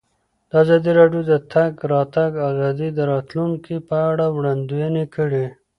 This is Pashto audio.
ازادي راډیو د د تګ راتګ ازادي د راتلونکې په اړه وړاندوینې کړې.